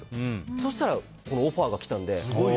そしたらこのオファーが来たので。